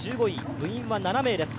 部員は７名です。